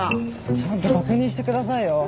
ちゃんと確認してくださいよ。